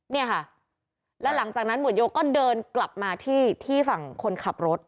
เนี่ยค่ะแล้วหลังจากนั้นหมวดโยก็เดินกลับมาที่ที่ฝั่งคนขับรถ